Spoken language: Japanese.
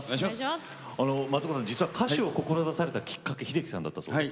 松岡さん実は歌手を志されたきっかけ秀樹さんだったそうで。